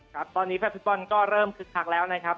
ครับตอนนี้แฟนฟุตบอลก็เริ่มคึกคักแล้วนะครับ